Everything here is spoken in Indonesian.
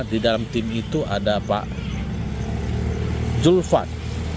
di dalam tim itu ada pak julfat